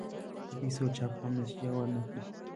د پیسو چاپ هم نتیجه ور نه کړه.